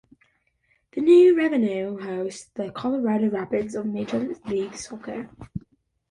The new venue hosts the Colorado Rapids of Major League Soccer.